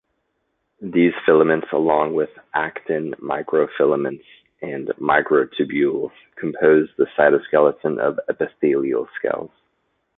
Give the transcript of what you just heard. These filaments, along with actin microfilaments and microtubules, compose the cytoskeleton of epithelial cells.